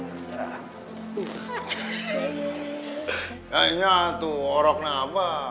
kayaknya tuh orangnya apa